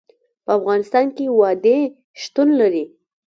په افغانستان کې وادي شتون لري.